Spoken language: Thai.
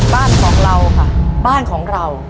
บ้านของเราค่ะบ้านของเรา